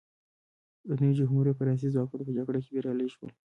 د نوې جمهوري فرانسې ځواکونه په جګړه کې بریالي شول.